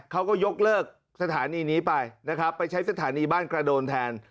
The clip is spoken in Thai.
เขาก็ยกเลิกสถานีนี้ไปนะครับไปใช้สถานีบ้านกระโดนแทน